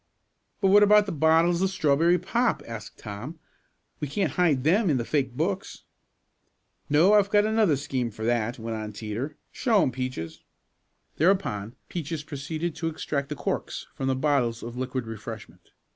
"But what about the bottles of strawberry pop?" asked Tom. "We can't hide them in the fake books." "No, I've another scheme for that," went on Teeter. "Show 'em, Peaches." Thereupon Peaches proceeded to extract the corks from the bottles of liquid refreshment.